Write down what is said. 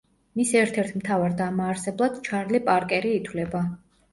მის ერთ-ერთ მთავარ დამაარსებლად ჩარლი პარკერი ითვლება.